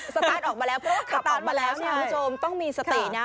สตาร์ทออกมาแล้วเพราะว่าขับออกมาแล้วคุณผู้ชมต้องมีสตินะ